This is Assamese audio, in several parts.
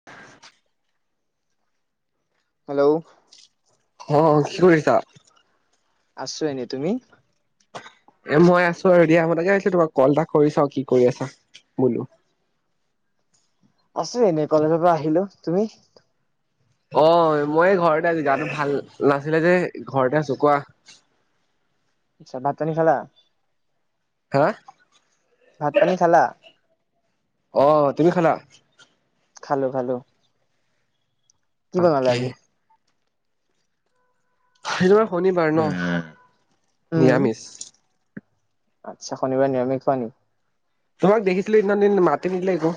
[inaudible] হেল্ল'? অ'! কি কৰিছা? আছোঁ এনে, তুমি? এ, মই আছোঁ আৰু দিয়া। মই তাকে ভাবিছোঁ, তোমাক ক'ল এটা কৰি চাওঁ, কি কৰি আছা বোলোঁ! আছোঁ এনেই, কলেজৰ পৰা আহিলোঁ। তুমি? অ'! মই ঘৰতে আজি, গাটো ভাল নাছিলে যে, ঘৰতে আছোঁ। কোৱা? আচ্ছা, ভাত-পানী খালা? [unintelligible] ভাত-পানী খালা? অ'! তুমি খালা? খালোঁ-খালোঁ। কি বনালে তাকে আজি? আজি তোমাৰ শনিবাৰ ন'? উম নিৰামিষ। আচ্ছা, শনিবাৰে নিয়ামিষ খোৱা নি? তোমাক দেখিছিলো সেইদিনাখনি, মাতে নিদিলা একো।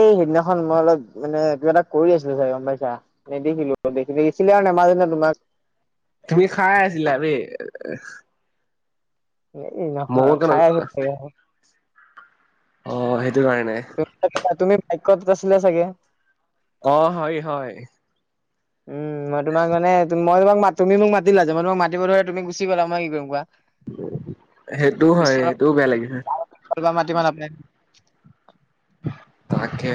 এই সেইদিনাখন, মই অলপ মানে কিবা এটা কৰি আছিলো চাগে গম পাইছা। নেদেখিলো, দেখিলে আৰু নামাতিম নে তোমাক। তুমি খাই আছিলা বে। এই ময়ো নহয় ত খাই আছে অ চাগে অক। অ' সেইটো কাৰণে। তুমি বাইকত আছিলে চাগে। অ' হয়, হয়। উম' মই তোমাক মানে, মই তোমাক, তুমি মোক মাতিলা যে মই তোমাক মাতিব ধৰোঁতে তুমি গুচি গলা, মই কি কৰিম কোৱা? সেইটো হয়, সেইটো বেয়া লাগিছে। [unintelligible] পা মাতিব নেপাই। তাকে,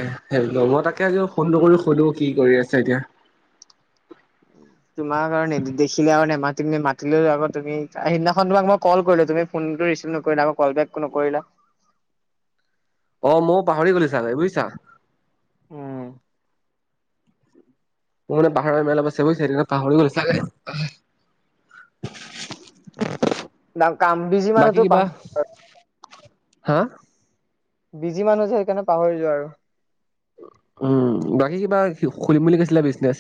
লগৰ এটাকে আজি ফোনটো কৰি সুধো, কি কৰি আছে এতিয়া? [inaudible] তোমাক আৰু দেখিলে আৰু নেমাতিম নে, মাতিলো আকৌ তুমি সেইদিনাখন তোমাক মই কল কৰিলো, তুমি ফোনটো ৰিচিভ নকৰিলা, আকৌ কল বেক নকৰিলা। অ' মইও পাহৰি গলো চাগে বুইছা। উম'। মোৰ মানে পাহৰা বেমাৰ অলপ আছে বুইছা, সেইটো কাৰণে পাহৰিলো গলোঁ চাগে। কাম বিজি বাকী মানুহতো কিবা? পাহ হা? বিজি মানুহ যে, সেইকাৰণে পাহৰিলো যোৱা আৰু। উম' বাকী কিবা খুলিম বুলি কৈছিলা বিজনেছ?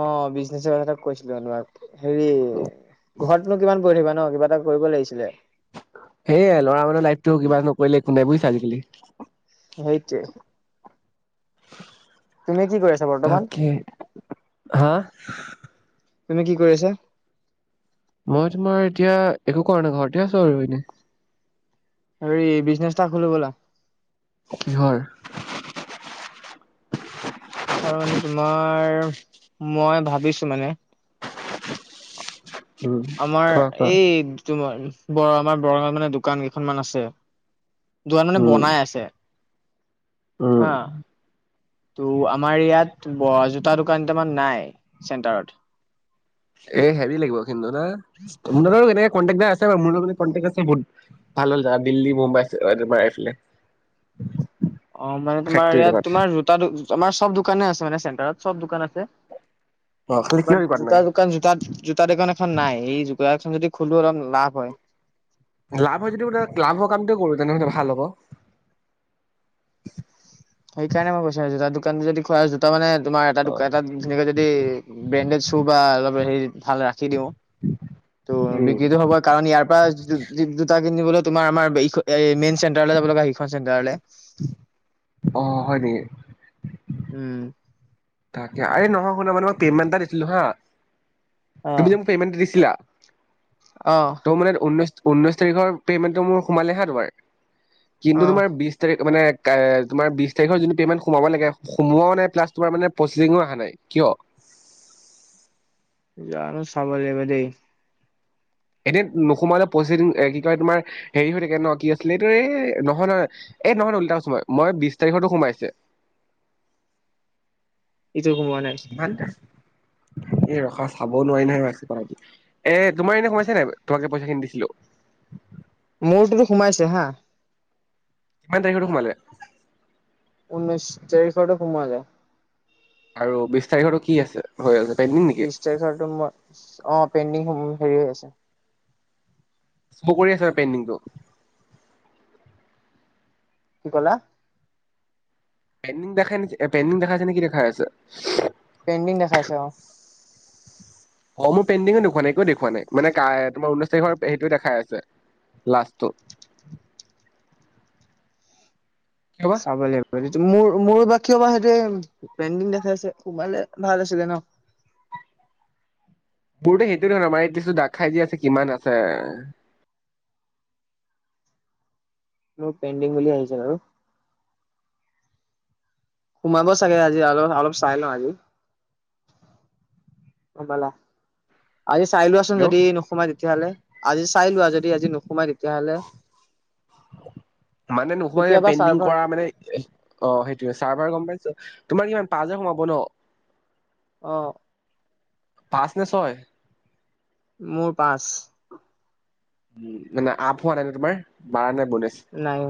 অ' বিজনেছৰ কথা এটা কৈছিলো মই তোমাক। হেৰি, ঘৰতনো কিমান বহি থাকিবা ন, কিবা এটা কৰিব লাগিছিলে। সেয়া ল'ৰা মানুহ লাইফটো কিবা নকৰিলে একো নাই বুইছা আজিকালি। সেইটোৱে। তুমি কি কৰি আছা বৰ্তমান? তাকে, হা? তুমি কি কৰি আছা? মই তোমাৰ এতিয়া একো কৰা নাই, ঘৰতে আছো আৰু এনেই। হেৰি বিজনেছ এটা খোলোঁ বলা। কিহৰ? কিহৰ মানে তোমাৰ, মই ভাবিছোঁ মানে। উম আমাৰ কোৱা কোৱা এই তোমাৰ ব আমাৰ বৰঙত মানে দোকান কেইখনমান আছে। দুকান মানে উম বনাই আছে, উম হা। টো' আমাৰ ইয়াত জোতা দোকান কেটামান নাই, চেণ্টাৰত। এ হেভি লাগিব কিন্তু ন, তোমাৰ এনে কন্টেকডা আছ মোৰ লগতে কন্টেক আছে বহুত ভাল ভাল জেগাত, দিল্লী, মুম্বাই তোমাৰ এইফালে। অ' মানে তোমাৰ ফেক্টৰী ইয়াত দোকানত তোমাৰ জোতা, তোমাৰ চব দোকানে আছে মানে, চেণ্টাৰত চব দোকান আছে। অ খালি কিহৰ বাট দোকানত নাই। জুতা দোকান, জুতাত জোতা দোকান এখন নাই, সেই জোতা এখন যদি খুলো অলপ লাভ হয়। লাভ হয় যদি বোলে লাভ হোৱা কামটো কৰো, তেনেহ'লে ভাল হ'ব। সেইকাৰণে মই কৈছোঁ, জোতা দোকানটো যদি খোৱা জোতা মানে তোমাৰ এটা অ তেনেকে যদি ব্ৰেণ্ডেড শ্বু বা অলপ হে ভাল ৰাখি দিওঁ। টো উম বিক্ৰীটো হ'বই। কাৰণ ইয়াৰ পৰা জো, জো, জোতা কিনিবলৈ তোমাৰ আমাৰ, মেইন চেণ্টাৰলৈ যাব লগা সিখন চেণ্টাৰলৈ। অ, হয় নেকি? উম, তাকে আৰে, নহয় শুন মানে মই পেমেণ্ট এটা দিছিলো হা, অ তুমি যে মোক পেমেণ্টটো দিছিলা। অ, ত ঊনৈশ, ঊনৈশ তাৰিখৰ পেমেণ্টটো সোমালেহে ধৰে, কিন্তু অ তোমাৰ বি তাৰিখ, মানে তোমাৰ বিশ তাৰিখৰ যোনটো পেমেণ্ট সোমাব লাগে, সোমোৱাও নাই প্লাছ তোমাৰ প্ৰচিচিঙো অহা নাই, কিয়? জানো, চাব লাগিব দেই। এনে নোসোমালে প্ৰচি, কি কয় তোমাৰ হেৰি হৈ থাকে ন, কি আছিলে এইটো এই নহয়, নহয়, এই নহয় উল্টাচো মই, মই বিশ তাৰিখৰতো সোমাইছে। ইটো, সোমোৱা নাই? এই, ৰখা চাবও নোৱাৰি নহয়, [inaudible] এই, তোমাৰ এনেই সমাইছে নাই, তোমালোকে পইচা খিনি দিছিলো। মোৰটোতো, সোমাইছে হা। কিমান তাৰিখৰটো সোমালে? ঊনৈছশ তাৰিখৰটো, সোমালে। আৰু বিশ তাৰিখতো কি আছে, হৈ আছে। পেণ্ডিং নেকি বিশ তাৰিখটো মই অ, পেণ্ডিং হেৰি হৈ আছে। [inaudible] কৰি আছোঁ, পেইণ্ডিংটো। কি ক'লা? পেণ্দিং দেখাই ন, পেণ্ডিং দেখাইছে নে, কি দেখাই আছে? পেণ্ডিং দেখাইছে অ, [inaudible] অ মোৰ পেণ্ডিংঙো দেখুৱা নাই, একোও দেখুৱা নাই মানে তোমাৰ ঊনৈছ তাৰিখৰ হেইটোৱে দেখাই আছে। লাচটো চাব, লাগিব। মোৰ মোৰ বা কিয় বা সেইটোৱে পেণ্ডিং দেখাই আছে, সোমালে ভাল আছিলে ন। মোৰতো সেইটোৱে ন, [inaudible] আমাৰ হিটো দেখাই যি আছে কিমান আছে? মোৰ পেণ্ডিং বুলি আহিছে আৰু। সোমাব চাগে আজি, আলপ অলপ চাই লও আজি। গম পালা। আজি চাই লোৱাচোন হেল্ল' যদি নোসোমাই তেতিয়াহ'লে, আজি চাই লোৱা যদি আজি নোসোমাই তেতিয়া মানে নোসোমা, কেতিয়াবা পেনণ্ডিং চাৰ্ভাৰ কৰা মানে অ, সেইটোয়ে চাৰ্ভাৰ গম পাইছো, তোমাৰ কিমান পাচঁহে হাজাৰ সোমাব ন, অ, পাঁচ নে, ছয়? মোৰ, পাঁচ। উম, মানে আপ হোৱা নাই ন, তোমাৰ মাৰা নাই বনেছ। নাই,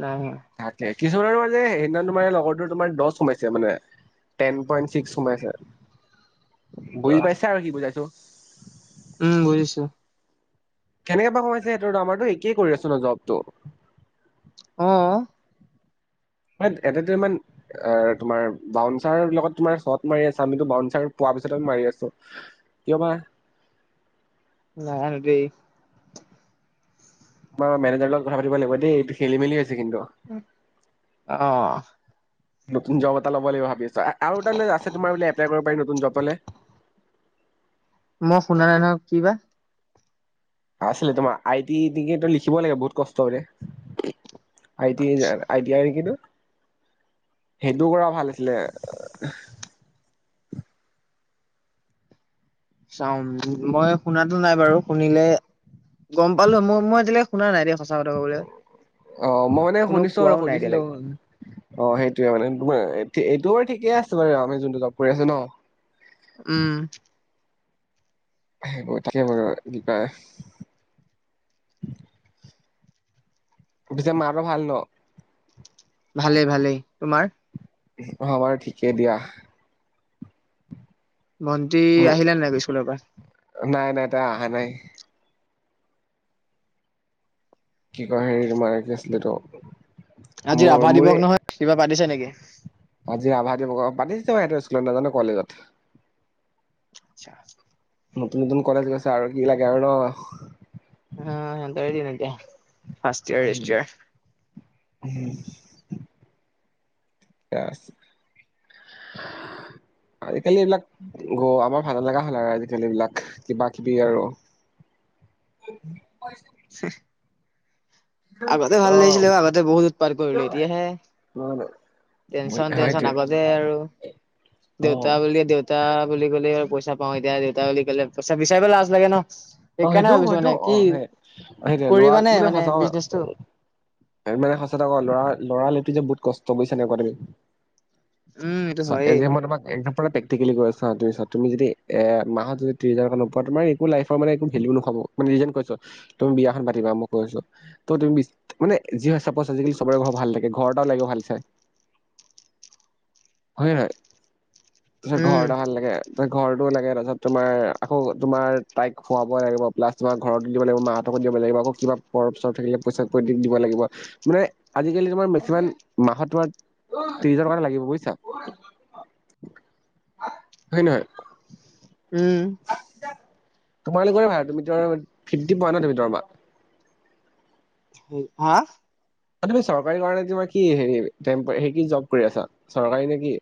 নাই, নাই। তাকে, কিছুমান আৰু মানে সেইদিনা তোমাৰ লগৰতোৰ তোমাৰ দহ সোমাইছে মানে। টেন পইণ্ট ছিক্স, সোমাইছে। বুজি পাইছো আৰু কি বুজাইছো। উম বুজিছো কেনেকে বা সমাইছে সেইটো, আমাৰো একেই কৰি আছো ন, জবটো। অ, ৱাইট এডিতৰ্মন [unintelligible] তোমাৰ বাউন্চাৰৰ লগত তোমাৰ শ্বট মাৰি আছে, আমিতো বাউচাৰ পোৱাৰ পিছত মাৰি আছো। কিয় বা? নাজানো দেই। তোমাৰেনেজৰ লগ কথা পাতি লাগিব দ এইটো খেলি-মেলি হৈছে কিন্তু। উম, অ' নতুন জব এটা ল'ব লাগিব ভাবিছ আৰু এটাল আছে তোমাৰোলে এপ্লাই কৰিব পাৰি নতুন জব পালে। মই শুনা নাই নহক কি বা? আছিলে তোমাৰ আই টি ত লিখিব লাগে বহুত কষ্টৰে আই টি আচ্ছা আই য়াই নেকিতো সেইটো কৰা ভাল আছিলে। চাও মই শুনাতো নাই বাৰু শুনিলে গম পালো মই এতিয়য়াক শুনা নাই দেন। অ'মই মানে কোনো শুনিছো আৰু কোৱাও নাই সুধিছিলো। এতিয়ালৈকে অ' সেইটোৱে মানে এইটো বাৰু ঠিকেই আছে বাৰু আমি যোনটো জব কৰি আছো ন। উম, সেইবোৰ তাকে কৰিব কিবা? [unintelligible] পিছে মাৰো ভাল ন? ভালেই, ভালেই তোমাৰ? অ' বাৰু ঠিকেই দিয়া। ভন্তি আহিলে নে নাইক স্কুলৰ পৰা? নাই, নাই তাই আহা নাই। কি বা হেৰি তোমাৰে আছিলে এইটো। আজি মোৰ ৰাভা মোৰে দিৱস নহয় কিবা পাতিছে নেকি? আজি ৰাভা দিৱস পাতিছে মই স স্কুলত নাজানো কলেজত। আচ্ছা। নতুন, নতুন কলেজ গৈছে আৰু কি লাগে আৰু ন। হম এন্ত হদিনন এতিয়া ফাস হ এষ্ট। [unintelligible] উম, ঠিকে আছে আজিকালি এইবিলাক গ আমাৰ ভালা লগা হ'ল আৰু আজিকালি এই বিলাক কিবা কিবি আৰু। [unintelligible] হহ, আগতে ভাল অ লাগিছিলে আগতে বহুত উৎপাৰ কৰিলো এতিয়াহে। টেনচন, টেনচন সেইটোৱে আগতে আৰু অ দেউতা বুলিয় দেউতা দেউতা বুলি কলে পইচা পাও এতিয়া দেউতা বুলি ক'লে পইচা বিচাৰিব লাজ লাগে ন। সেইকাৰণে অ'সেইটো ভাবিছো হয়তটো মানে কি অ'সেই সেইটো লৰা কৰিবানে মানে সজাও বিজনেচটো উম, মানে ক খচা কথা লৰা যে বহুত কষ্ট চব গৈছে নিউ গুৱাহাটীলৈ, উম এইটো চা এ হয়েই জি এমৰ লগত এসম্প্লে প্ৰেক্টিকলী কৈ আছো ছা তু তুমি যদি এ মাহত যদি ত্ৰছ হাজাৰ নোপোৱা তোমাৰ একো লাইফৰ মানে হেল নাব মানে কৈছ তুমি বিয়াখন পাতিবা মই কৈ আছো। ত তুমি মানে যি হয় চাপজ আজিকালি চবৰে ঘৰৰ ভাল থাকে ঘৰটাও লাগে ভাল চাই। হয় নহয়। তাৰপিছত ঘৰ উম এটা ভাল লাগে তছত ঘৰটো লাগে তাৰপিছত তোমাৰ আকৌ তোমাৰ তাইক খুৱাব লাগিব প্লাছ তোমাৰ ঘৰতো দিব লাগ মাহঁতক দিব লাগিব আকৌ কিবা পৰফ চৰফ থাকিলে পইচা প দি দিব লাগিব। মানে আজিকালি তোমাৰ মেক্সিমাম মাহত তোমাৰ ত্ৰিশ হাজাৰ টকা লাগিব বুজিছা। হয়, নহয়। উম। তোমালোকৰে ভাল, তুমি ধৰ ফি্তি পোৱা ন তুমি দৰমহা। হা? তুমি চৰকাৰী কৰা নে তোমাৰ কি হেৰি, হে কি জব কৰি আছা, চৰকাৰী নে কি?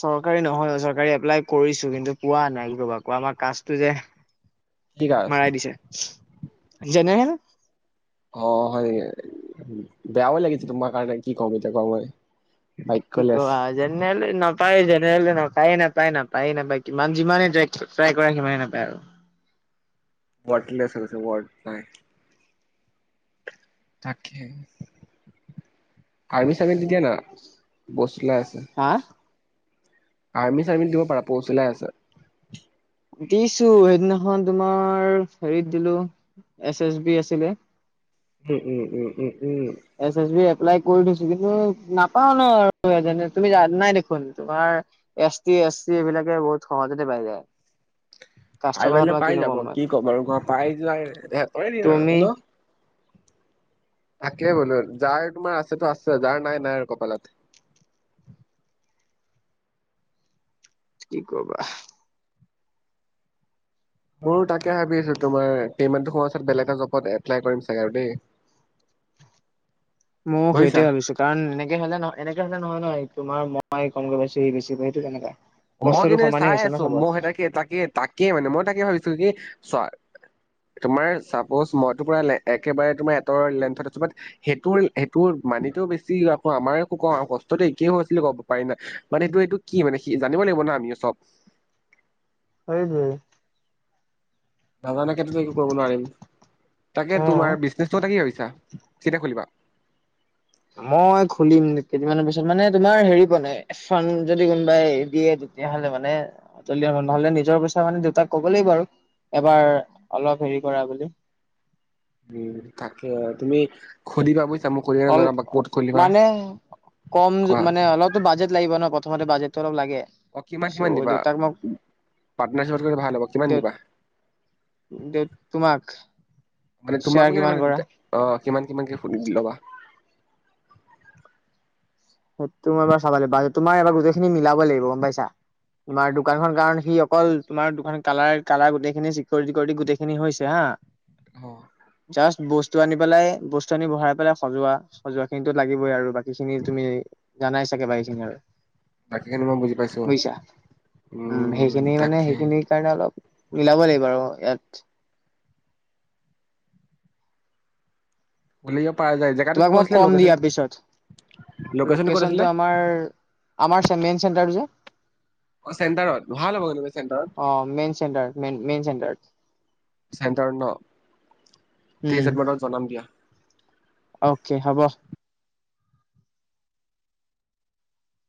চৰকাৰী নহয় অ' চৰকাৰী এপ্লাই কৰিছো, কিন্তু পোৱা নাই ৰবা, আকৌ আমাৰ কাচতটো যে কি কাষ্ট [unintelligible] দিছে, জেনেৰেল। অ', হয় নেকি, বেয়াও লাগিছে তোমাৰ কাৰণে, কি কম এতিয়া তোমাক মই। কি বাক্যলেছ কবা জেনেৰেলে নাপায়েই, জেনেৰেলে নাপায়েই নাপায়, নাপায়েই নাপায়, কিমান যিমানেই ট্ৰাই কৰা সিমানেই নাপায় আৰু। ৱাৰ্তলেছ হৈ গৈছে, ৱৰ্ত নাই। তাকে, আৰ্মি চাৰ্মিতো দিয়া না, পোষ্ট উলাই আছে। হা? আৰ্মি চাৰ্মিত দিব পৰা পোষ্ট উলাই আছে। দিছো, সেইদিনাখন তোমাৰ হেৰিত দিলো, এছ এছ বি আছিলে। উম, উম, উম, উম, উম, উম। এছ এছ বি এপ্লাই কৰি থৈছো, কিন্তু নাপাওঁ ন আৰু তুমি য যানাই দেখোন তোমাৰ এছ টি এছ চি, এইবিলাকে বহুত সহজতে পাই যায়। [unintelligible] কাষ্টৰ কথা [unintelligible] তোমাক পাই কিনো যাব মই কি কম আৰু ন, পাই যাই [unintelligible] কৰে দিম আৰু তুমি ন। তাকে বোলো, যাৰ তোমাৰ আছেটো আছে, যাৰ নাই নাই আৰু কপালত। কি কবা। মোৰো তাকে ভাবি আছো, তোমাৰ পেমেণ্টটো হোৱা পাছত, বেলেগ এটা জবত এপ্লাই কৰিম চাগে আৰু দেই। [inaudible] মইও সেইটোৱে বুজিছা ভাবিছো কাৰণ এনেকে হ'লে নহয় এনেকে হ'লে নহয় ন, তোমাৰ মই কম গৈ পাইছোহি বেছি সেইটো কেনেকা। মই কষ্টটো কিন্তু সমানেই চাই হৈছে ন আছো, চবৰ মই সেই তাকে তাকে, তাকে মানে মই তাকে ভাবিছো, কি চোৱা তোমাৰ চাপ'জ মইতো পৰা একেবাৰে তোমাৰ এটৰ লেন্থত আছো বাত সেইটোৰ, সেইটোৰ মানিতো বেছি আকৌ আমাৰ হ'ব কষ্টটো একেই হৈ আছিলে ক পাৰি নাই মানে এইটো, এইটো কি মানে সি জানিব লাগিব ন আমি চব। উম হম। নাজানাকেতো একো কৰিব নোৱাৰিম, তাকে অ তোমাৰ বিজনেছটো কথা কি ভাবিছা, কেতিয়া খুলিবা? মই খুলিম কেইদিনমানৰ পিছত মানে, তোমাৰ হেৰি বনাই ফাণ্ড যদি কোনোবাই দিয়ে তেতিয়াহ'লে মানে, নহ'লে নিজৰ পইচা মানে দেউতাক ক'ব লাগিব আৰু। এবাৰ অলপ হেৰি কৰা বুলি। উম তাকে, তুমি সুধিবা বুজিছা মোক সুধি কেনে অল জনাব ক'ত খুলিবা। মানে কম কোৱা মানে অলপতো বাজেট লাগিব ন, প্ৰথমতে বাজেটটো অলপ লাগে। অ', কিমান কিমান চ' দিবা, দেউতাক মোক পাৰ্টনাৰশ্বিপ কৰিলে ভাল হ'ব দে কিমান দিবা? দে, তোমাক? মানে তোমাক শ্বেয়াৰ বুলি কিমান কৰা নহয়, অ' কিমান কিমানকৈ কৰি ল'বা? সেইটো মই এবাৰ চাব লাগিব তোমাৰ এবাৰ গোটেই খিনি মিলাব লাগিব, গম পাইছা। তোমাৰ দোকানখন কাৰণ সি অকল তোমাৰ দোকান কালাৰ, কালাৰ গোটেইখিনি চিকৰীতি তিকৌৰিতি গোটেইখিনি খিনি হৈছে হা, অ', জাষ্ট বস্তু বস্তু আনি পেলাই বস্তু আনি বহাই পেলাই সজোৱা, সজোৱা খিনিতো লাগিবই আৰু বাকীখিনি তুমি জানাই চাগে বাকিখিনি আৰু। বাকীখিনি মই বুজি পাইছো বুজিছা, উম সেইখিনি মানে সেইখিনিৰ কাৰণে অলপ মিলাব লাগিব আৰু ইয়াত। খুলিব পাৰা যায় যে তোমাক মই কম দিয়া পিছত। লোকেশ্যনটো ক'ত আছিলে লোকেশচনটো আমাৰ আমাৰ ছে মেইন চেণ্টাৰটো যে অ' চেণ্টাৰত, ভাল হ'ব যেনিবা চেণ্টাৰত। অ' মেইন চেণ্টাৰত। মেইন মেইন চেণ্টাৰত। চেণ্টাৰত ন? ঠিক উম আছে তোমাক মই জনাম দিয়া। অ'কে হ'ব।